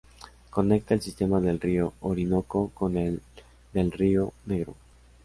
Conecta el sistema del río Orinoco con el del río Negro.